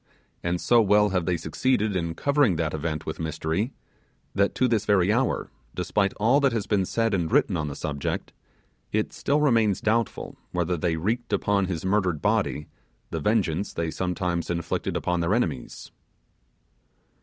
And so well have they succeeded in covering the event with mystery, that to this very hour, despite all that has been said and written on the subject, it still remains doubtful whether they wreaked upon his murdered body the vengeance they sometimes inflicted upon their enemies.